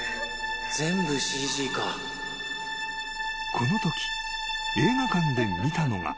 ［このとき映画館で見たのが］